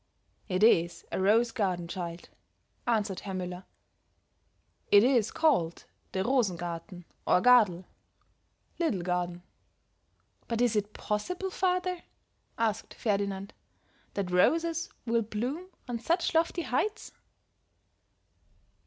"It is a rose garden, child," answered Herr Müller. "It is called the Rosengarten or Gardl (Little Garden)." "But is it possible, father," asked Ferdinand, "that roses will bloom on such lofty heights?"